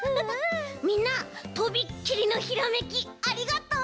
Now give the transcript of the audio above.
みんなとびっきりのひらめきありがとう！